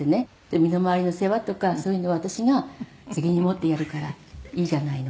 「身の回りの世話とかそういうのは私が責任持ってやるからいいじゃないのと」